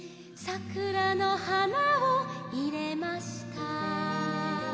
「桜の花を入れました」